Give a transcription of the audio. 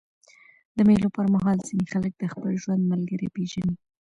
د مېلو پر مهال ځيني خلک د خپل ژوند ملګری پېژني.